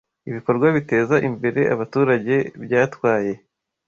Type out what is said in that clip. Ibikorwa biteza imbere abaturage byatwaye